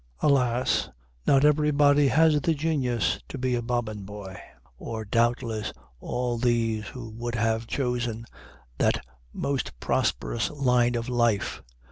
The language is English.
Alas! not everybody has the genius to be a Bobbin Boy, or doubtless all these also would have chosen that more prosperous line of life!